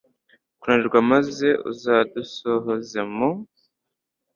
kunanirwa, maze uzadusohoze mu